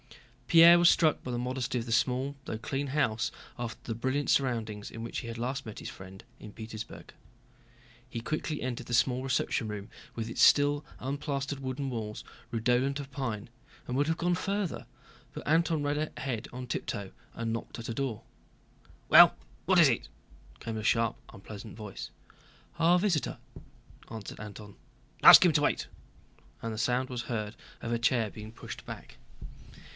Pierre was struck by the modesty of the small though clean house after the brilliant surroundings in which he had last met his friend in Petersburg. He quickly entered the small reception room with its still unplastered wooden walls redolent of pine, and would have gone farther, but Antón ran ahead on tiptoe and knocked at a door. "Well, what is it?" came a sharp, unpleasant voice. "A visitor," answered Antón. "Ask him to wait," and the sound was heard of a chair being pushed back.